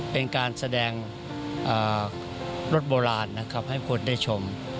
เป็นการแสดงรถโบราณนะครับให้คนได้ชม